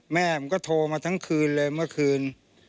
แม่ผมก็โทรมาทั้งคืนเลยเมื่อคืน